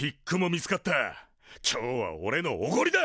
今日はおれのおごりだ！